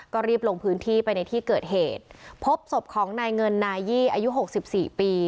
ก็รีบลงพื้นที่ไปในที่เกิดเหตุพบศพของนายเงินนายี่อายุหกสิบสี่ปี